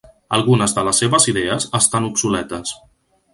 Algunes de les seves idees estan obsoletes.